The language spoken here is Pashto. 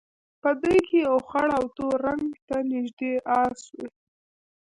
په دوی کې یو خړ او تور رنګ ته نژدې اس وو.